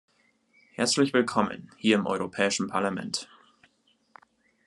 Herzlich Willkommen hier im Europäischen Parlament!